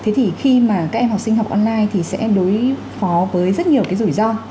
thế thì khi mà các em học sinh học online thì sẽ đối phó với rất nhiều cái rủi ro